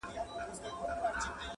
انارکلي! دا مرغلري اوښکي چاته ور وړې؟-